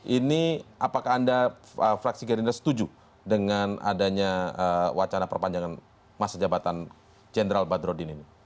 ini apakah anda fraksi gerindra setuju dengan adanya wacana perpanjangan masa jabatan jenderal badrodin ini